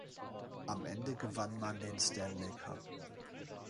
Am Ende gewann man den Stanley Cup.